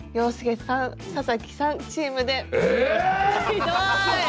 ひどい。